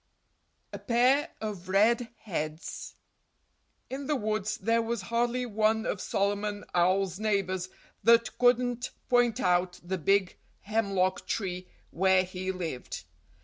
XX A Pair Of Red Heads In the woods there was hardly one of Solomon Owl's neighbors that couldn't point out the big hemlock tree where he lived.